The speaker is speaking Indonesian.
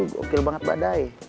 gokil banget badai